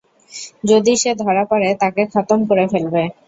যদি সে ধরা পড়ে, তাকে খতম করে ফেলবে!